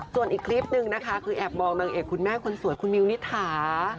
ส่วนอีกคลิปนึงนะคะคือแอบมองนางเอกคุณแม่คนสวยคุณมิวนิษฐา